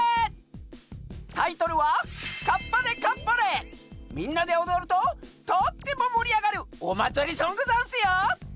タイトルはみんなでおどるととってももりあがるおまつりソングざんすよ！